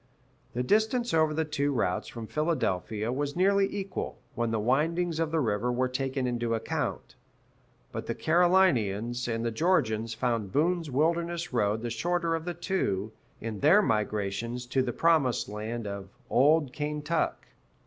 The distance over the two routes from Philadelphia, was nearly equal, when the windings of the river were taken into account; but the Carolinians and the Georgians found Boone's Wilderness Road the shorter of the two, in their migrations to the promised land of "Ol' Kaintuck."